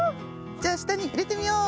じゃあしたにいれてみよう！